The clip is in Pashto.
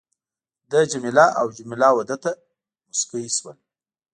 ده جميله او جميله وه ده ته مسکی شول.